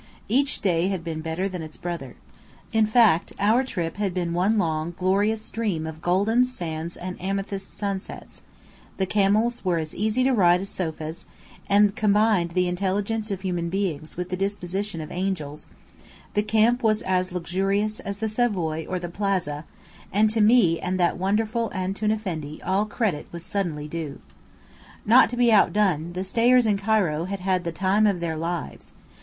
Each day had been better than its brother. In fact, our trip had been one long, glorious dream of golden sands and amethyst sunsets; the camels were as easy to ride as sofas, and combined the intelligence of human beings with the disposition of angels; the camp was as luxurious as the Savoy or the Plaza; and to me and that wonderful Antoun Effendi all credit was suddenly due. Not to be outdone, the stayers in Cairo had had the "time of their lives."